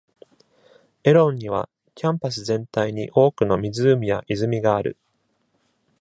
エロンにはキャンパス全体に多くの湖や泉がある。